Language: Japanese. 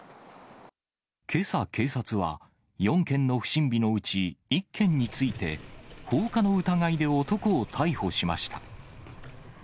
けさ、警察は４件の不審火のうち、１件について、放火の疑いで男を逮捕しました。